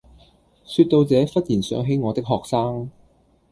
說到這忽然想起我的學生